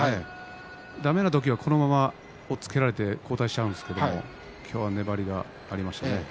だめな時はこのまま押っつけられて後退してしまうんですが今日は粘りがありますね。